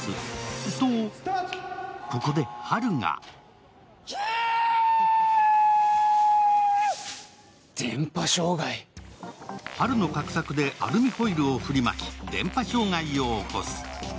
と、ここでハルがハルの画策でアルミホイルを振りまき電波障害を起こす。